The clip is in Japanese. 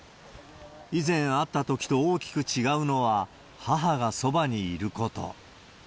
以前あったときと大きく違うのは、母がそばにいること。